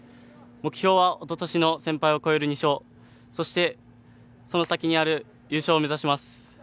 目標はおととしの先輩を超える２勝そして、その先にある優勝を目指します。